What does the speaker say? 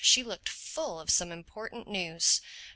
She looked full of some important news.